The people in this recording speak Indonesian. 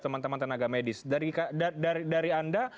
teman teman tenaga medis dari anda